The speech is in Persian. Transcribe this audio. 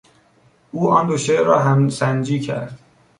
او آن دو شعر را همسنجی کرد.